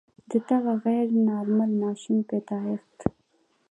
د دغه غیر نارمل ماشوم پیدایښت.